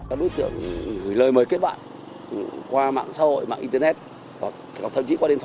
anh linh đi đâu mà đầu tư vô tình